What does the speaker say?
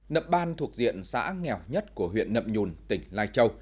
nậm ban thuộc diện xã nghèo nhất của huyện nậm nhùn tỉnh lai châu